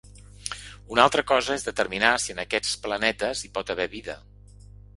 Una altra cosa és determinar si en aquests planetes hi pot haver vida.